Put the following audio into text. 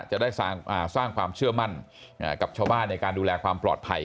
จะได้สร้างความเชื่อมั่นกับชาวบ้านในการดูแลความปลอดภัย